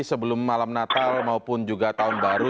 sebelum malam natal maupun juga tahun baru